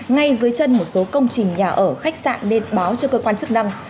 ngay dưới chân một số công trình nhà ở khách sạn nên báo cho cơ quan chức năng